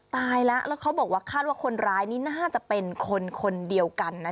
ตายแล้วแล้วเขาบอกว่าคาดว่าคนร้ายนี่น่าจะเป็นคนคนเดียวกันนะ